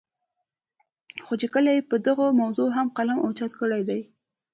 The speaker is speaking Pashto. خو چې کله ئې پۀ دغه موضوع هم قلم اوچت کړے دے